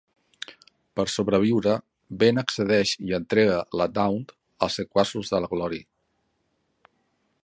Per sobreviure, Ben accedeix i entrega la Dawn als sequaços de la Glory.